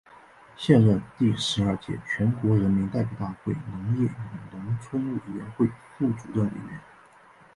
现任第十二届全国人民代表大会农业与农村委员会副主任委员。